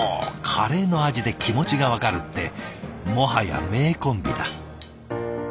カレーの味で気持ちが分かるってもはや名コンビだ。